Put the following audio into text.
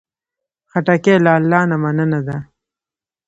خټکی له الله نه مننه ده.